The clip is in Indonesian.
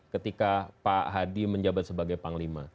ketika pak hadi menjabat sebagai panglima